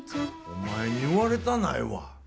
お前に言われたないわ。